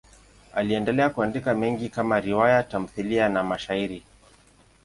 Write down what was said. Aliendelea kuandika mengi kama riwaya, tamthiliya na mashairi.